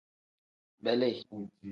Beli.